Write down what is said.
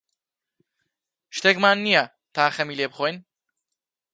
شتێکمان نییە تا خەمی لێ بخۆین.